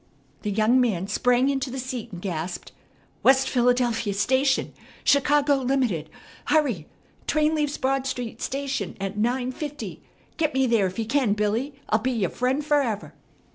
The young man sprang into the seat, and gasped: "West Philadelphia station, Chicago Limited! Hurry! Train leaves Broad Street station at nine fifty. Get me there if you can, Billy. I'll be your friend forever."